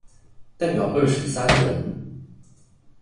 代表二十三人